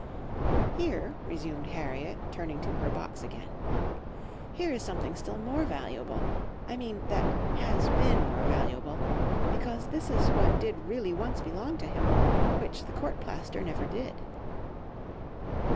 "'Here,' resumed Harriet, turning to her box again, 'here is something still more valuable,—I mean that has been more valuable,—because this is what did really once belong to him, which the court plaister never did.